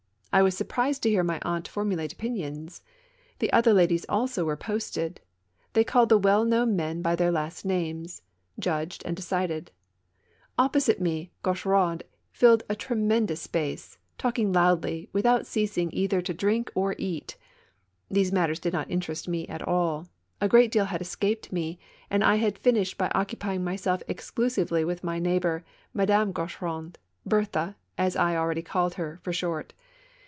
I was surprised to hear my aunt formulate opinions. The other ladies also were posted ; they called the well known men by their last names, judged and decided. Opposite me, Gaucheraud filled a tremendous space, talking loudly, without ceasing either to drink or eat. These matters did not interest me at all, a great deal had escaped me, and I had fin ished by occupying myself exclusively with my neigh bor, Madame Gaucheraud — Berthe, as I already called her, for short.